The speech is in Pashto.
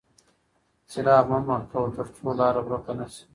څراغ مه مړ کوه ترڅو لاره ورکه نه شي.